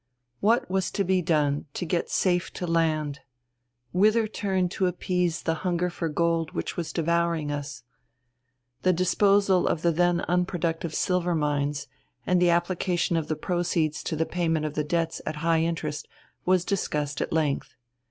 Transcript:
What was to be done to get safe to land? Whither turn to appease the hunger for gold which was devouring us? The disposal of the then unproductive silver mines and the application of the proceeds to the payment of the debts at high interest was discussed at length.